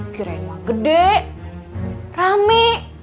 kirain mah gede rame